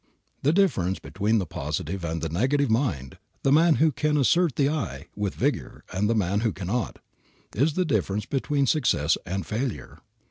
The difference between the positive and the negative mind, the man who can "assert the I" with vigor and the man who cannot, is the difference between success and failure.